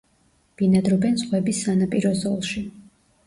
ბინადრობენ ზღვების სანაპირო ზოლში.